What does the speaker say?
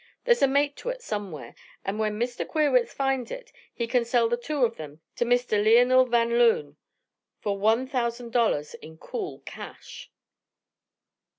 There's a mate to it somewhere, and when Mr. Queerwitz finds it, he can sell the two of them to Mr. Leonel Van Loon for one thousand dollars in cool cash."